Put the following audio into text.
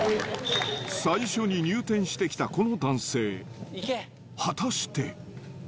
最初に入店してきたこの男性、果たして。